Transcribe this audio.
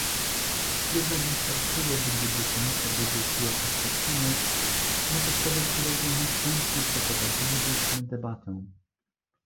Jednak wystarczyłoby, gdyby Komisja wygłosiła oświadczenie, na podstawie którego następnie przeprowadzilibyśmy debatę